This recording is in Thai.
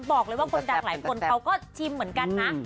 บอกเลยว่าคนดังหลายคนเขาก็ชิมเหมือนกันนะ